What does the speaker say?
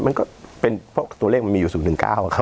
มันก็เป็นเพราะตัวเลขมันมีอยู่๐๑๙ครับ